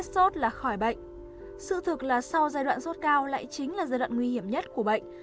sự thực là sau giai đoạn sốt cao lại chính là giai đoạn nguy hiểm nhất của bệnh